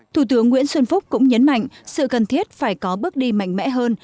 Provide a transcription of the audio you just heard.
thủ tướng nguyễn xuân phúc cũng nhấn mạnh sự cần thiết phải có bước đi mạnh mẽ hơn